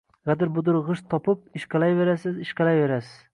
G‘adir-g‘udir g‘isht topib, ishqalayverasiz, ishqalayverasiz.